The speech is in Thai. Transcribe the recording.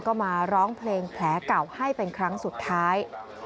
ก็มาร้องเพลงแผลเก่าให้เป็นครั้งสุดท้าย